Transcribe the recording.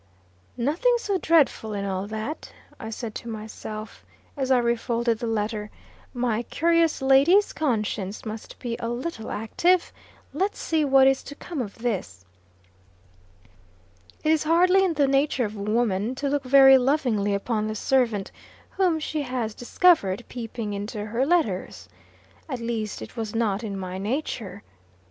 "Nothing so dreadful in all that," I said to myself, as I re folded the letter. "My curious lady's conscience must be a little active! Let's see what is to come of this." It is hardly in the nature of woman to look very lovingly upon the servant whom she has discovered peeping into her letters. At least, it was not in my nature.